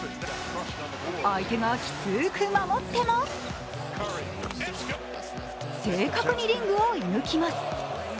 相手がきつく守っても正確にリングを射ぬきます。